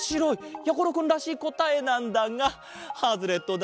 やころくんらしいこたえなんだがハズレットだ。